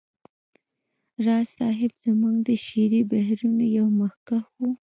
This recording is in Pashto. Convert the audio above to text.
راز صيب زموږ د شعري بهیرونو یو مخکښ و